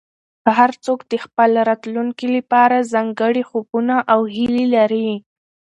هر څوک د خپل راتلونکي لپاره ځانګړي خوبونه او هیلې لري.